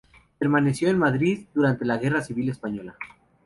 Permaneció en Madrid durante la guerra civil española.